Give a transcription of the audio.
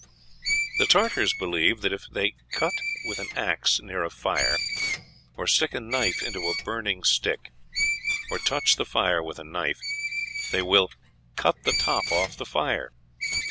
The Tartars believe that if they cut with an axe near a fire, or stick a knife into a burning stick, or touch the fire with a knife, they will "cut the top off the fire."